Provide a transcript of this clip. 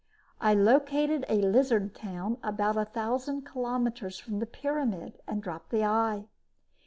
I located a lizard town about a thousand kilometers from the pyramid and dropped the eye.